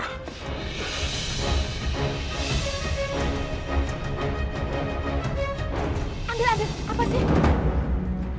ambil ambil apa sih